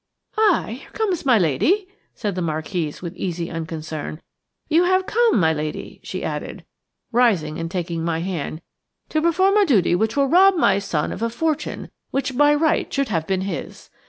"Ah! here comes my lady," said the Marquise, with easy unconcern. "You have come, my lady," she added, rising and taking my hand, "to perform a duty which will rob my son of a fortune which by right should have been his.